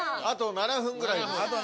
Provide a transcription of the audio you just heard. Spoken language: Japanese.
あと７分ぐらいです。